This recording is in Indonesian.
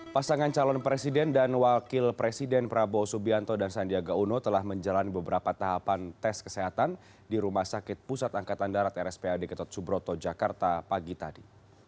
pasangan calon presiden dan wakil presiden prabowo subianto dan sandiaga uno telah menjalani beberapa tahapan tes kesehatan di rumah sakit pusat angkatan darat rspad ketot subroto jakarta pagi tadi